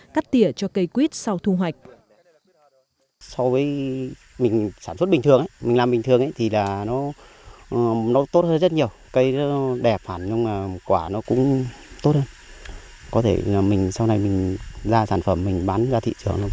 cắt tỉa cho cây quýt sau thu hoạch